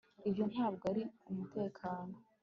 ibyo ntabwo ari umutekano